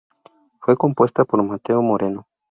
Fue compuesta por Mateo Moreno.